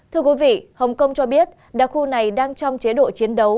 thưa quý vị hồng kông cho biết đặc khu này đang trong chế độ chiến đấu